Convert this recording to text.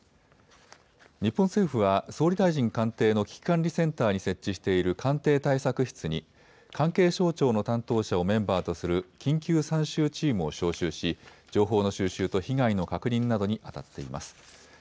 日本政府は総理大臣官邸の危機管理センターに設置している官邸対策室に関係省庁の担当者をメンバーとする緊急参集チームを招集し情報の収集と被害の確認などにあたっています。